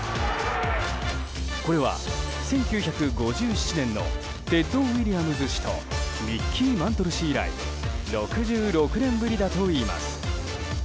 これは１９５７年のテッド・ウィリアムズ氏とミッキー・マントル氏以来６６年ぶりだといいます。